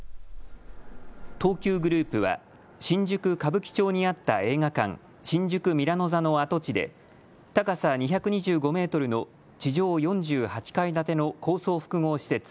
東急グループは、新宿歌舞伎町にあった映画館、新宿ミラノ座の跡地で高さ２２５メートルの地上４８階建ての高層複合施設